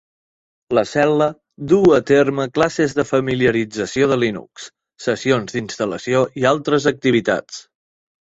La cel·la duu a terme classes de familiarització de Linux, sessions d'instal·lació i altres activitats.